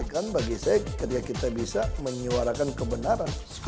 kan bagi saya ketika kita bisa menyuarakan kebenaran